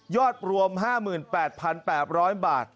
ยอดรวม๕๘๘๐๐บาท